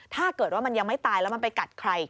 ถ้าเกิดว่ามันยังไม่ตายแล้วมันไปกัดใคร